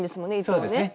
そうですね。